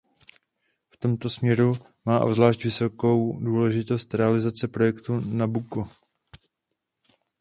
V tomto směru má obzvlášť vysokou důležitost realizace projektu Nabucco.